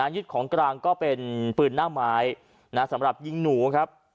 ยึดของกลางก็เป็นปืนหน้าไม้สำหรับยิงหนูครับ